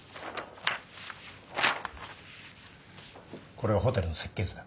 これはホテルの設計図だ。